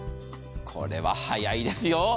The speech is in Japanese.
これは早いですよ。